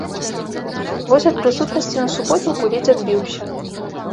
Вось ад прысутнасці на суботніку ледзь адбіўся.